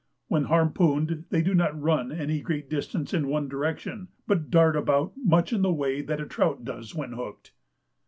When harpooned they do not run any great distance in one direction, but dart about much in the way that a trout does when hooked.